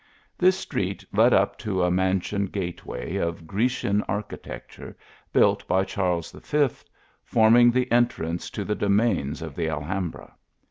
This street led up to a mansion gateway of Grecian archi tecture, built by Charles V., forming the entrance to the domains of the Alhambra.